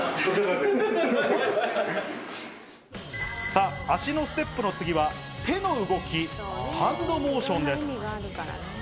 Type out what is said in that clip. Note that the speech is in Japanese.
さぁ足のステップの次は手の動き、ハンドモーションです。